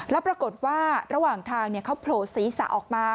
แล้วปรากฏว่าระหว่างทางเขาโผล่ศีรษะออกมา